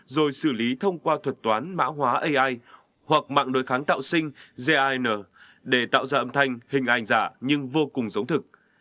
rồi xử lý thông qua thuật toán mã hóa ai hoặc mạng đối kháng tạo sinh gin để tạo ra âm thanh hình ảnh giả nhưng vô cùng giống thực